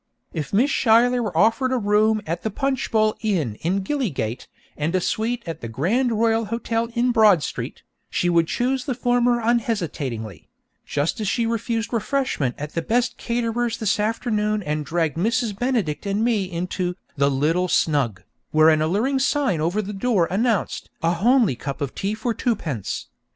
If Miss Schuyler were offered a room at the Punchbowl Inn in the Gillygate and a suite at the Grand Royal Hotel in Broad Street, she would choose the former unhesitatingly; just as she refused refreshment at the best caterer's this afternoon and dragged Mrs. Benedict and me into 'The Little Snug,' where an alluring sign over the door announced 'A Homely Cup of Tea for Twopence.'